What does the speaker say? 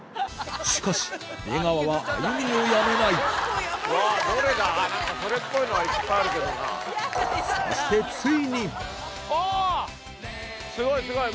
しかし出川は歩みをやめないそしてついにスゴいスゴい！